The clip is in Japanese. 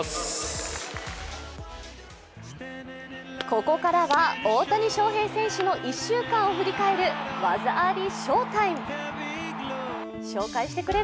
ここからは大谷翔平選手の１週間を振り返る技ありＳＨＯ−ＴＩＭＥ。